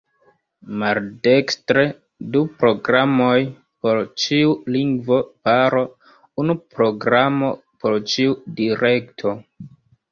Maldekstre: Du programoj por ĉiu lingvo-paro, unu programo por ĉiu direkto.